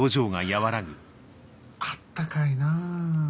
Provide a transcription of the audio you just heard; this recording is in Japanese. あったかいなぁ。